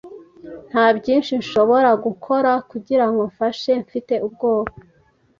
Nta byinshi nshobora gukora kugirango mfashe, mfite ubwoba.